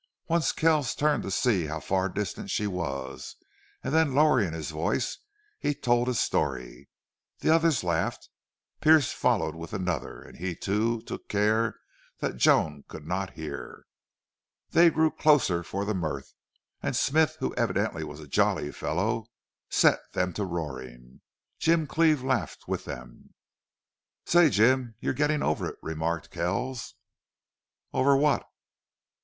Once Kells turned to see how far distant she was, and then, lowering his voice, he told a story. The others laughed. Pearce followed with another, and he, too, took care that Joan could not hear. They grew closer for the mirth, and Smith, who evidently was a jolly fellow, set them to roaring. Jim Cleve laughed with them. "Say, Jim, you're getting over it," remarked Kells. "Over what?"